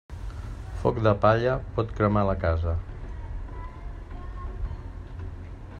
Foc de palla pot cremar la casa.